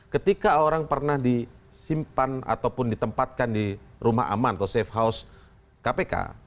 ketika orang pernah disimpan ataupun ditempatkan di rumah aman atau safe house kpk